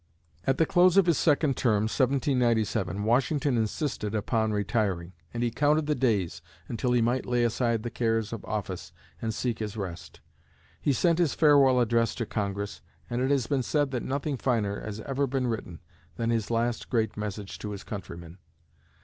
At the close of his second term, 1797, Washington insisted upon retiring, and he counted the days until he might lay aside the cares of office and seek his rest. He sent his Farewell Address to Congress, and it has been said that nothing finer has ever been written than his last great message to his countrymen.